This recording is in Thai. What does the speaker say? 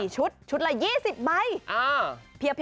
ชุดชุดละ๒๐ใบ